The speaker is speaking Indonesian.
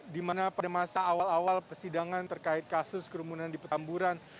di mana pada masa awal awal persidangan terkait kasus kerumunan di petamburan